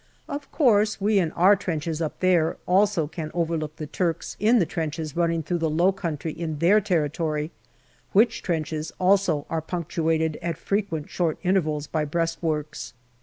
Of course, we in our trenches up there also can overlook the Turks in the trenches running through the low country in their territory, which trenches also are punctuated at frequent short intervals by breastworks.